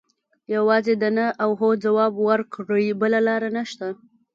یوازې د نه او هو ځواب ورکړي بله لاره نشته.